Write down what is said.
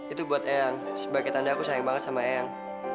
itu buat eyang sebagai tanda aku sayang banget sama eyang